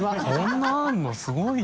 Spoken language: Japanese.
すごい。